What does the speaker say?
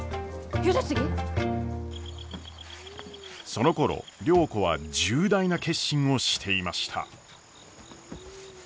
そのころ良子は重大な決心をしていました。